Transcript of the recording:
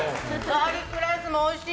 ガーリックライスもおいしい。